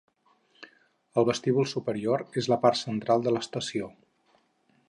El vestíbul superior és la part central de l'estació.